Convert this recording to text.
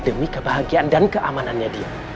demi kebahagiaan dan keamanannya dia